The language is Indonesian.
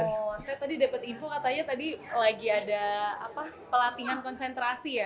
oh saya tadi dapet info katanya tadi lagi ada pelatihan konsentrasi ya